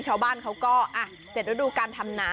ชาวบ้านเขาก็เสร็จฤดูการทำหนา